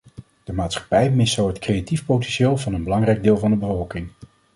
De maatschappij mist zo het creatieve potentieel van een belangrijk deel van de bevolking.